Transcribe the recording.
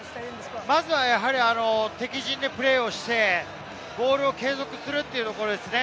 まずは敵陣でプレーをして、ボールを継続するということですね。